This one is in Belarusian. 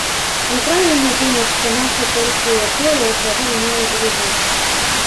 Няправільна думаць, што наша толькі тое, чаго няма ў другіх.